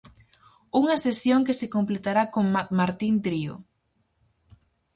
Unha sesión que se completará con Mad Martín Trío.